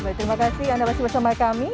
baik terima kasih anda masih bersama kami